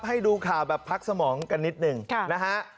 ให้ดูข่าวแบบพักสมองกันนิดหนึ่งนะฮะ